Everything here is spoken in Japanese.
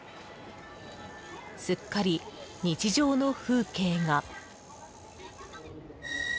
［すっかり日常の風景が］